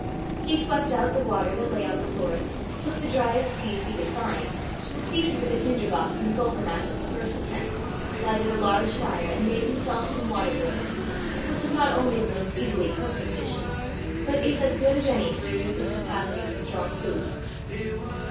He swept out the water that lay on the floor, took the dryest peats he could find, succeeded with the tinder box and sulphur match at the first attempt, lighted a large fire, and made himself some water brose which is not only the most easily cooked of dishes, but is as good as any for a youth of capacity for strong food.